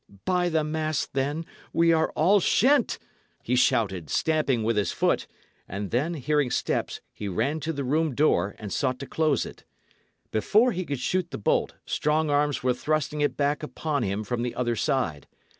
"By the mass, then, we are all shent!" he shouted, stamping with his foot; and then, hearing steps, he ran to the room door and sought to close it. Before he could shoot the bolt, strong arms were thrusting it back upon him from the other side.